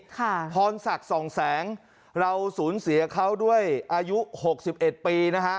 พรศักดิ์ส่องแสงเราสูญเสียเขาด้วยอายุหกสิบเอ็ดปีนะฮะ